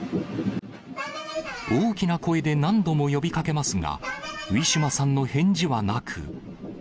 大きな声で何度も呼びかけますが、ウィシュマさんの返事はなく。